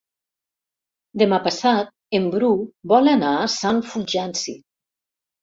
Demà passat en Bru vol anar a Sant Fulgenci.